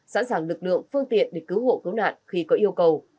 sẵn sàng lực lượng phương tiện để cứu hộ cứu nạn khi có yêu cầu